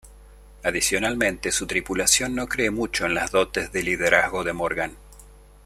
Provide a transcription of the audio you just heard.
Adicionalmente su tripulación no cree mucho en las dotes de liderazgo de Morgan.